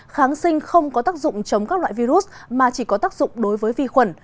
kháng sinh không có tác dụng chống các loại virus mà chỉ có tác dụng đối với vi khuẩn